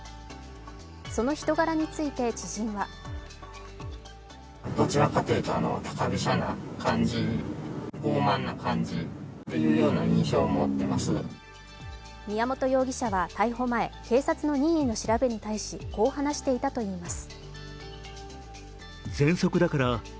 その人柄について、知人は宮本容疑者は逮捕前、警察の任意の調べに対し、こう話していたといいます。